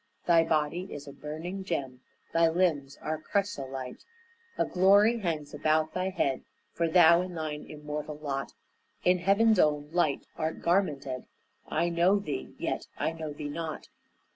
Thy body is a burning gem, Thy limbs are chrysolite. A glory hangs about thy head For thou in thine immortal lot In heaven's own light art garmented. I know thee, yet I know thee not."